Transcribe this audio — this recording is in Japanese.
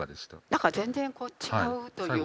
何か全然違うというか。